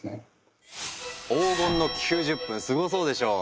黄金の９０分すごそうでしょう？